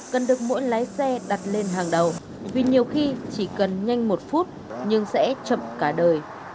cần được mỗi lái xe đặt lên hàng đầu vì nhiều khi chỉ cần nhanh một phút nhưng sẽ chậm cả đời